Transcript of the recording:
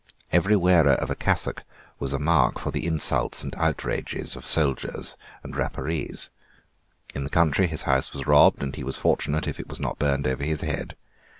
Every wearer of a cassock was a mark for the insults and outrages of soldiers and Rapparees. In the country his house was robbed, and he was fortunate if it was not burned over his head.